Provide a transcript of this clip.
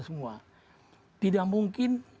semua tidak mungkin